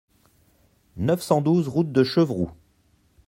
neuf cent douze route de Chevroux